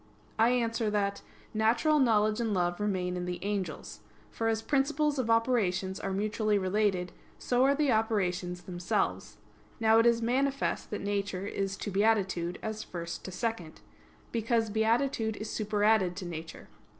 I answer that, Natural knowledge and love remain in the angels. For as principles of operations are mutually related, so are the operations themselves. Now it is manifest that nature is to beatitude as first to second; because beatitude is superadded to nature.